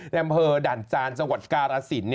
แรมเภอด่านจานจังหวัดการาศิลป์